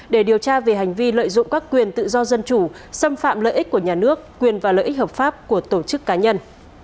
để điều tra về hành vi lợi dụng các quyền tự do dân chủ xâm phạm lợi ích của nhà nước quyền và lợi ích hợp pháp của tổ chức cá nhân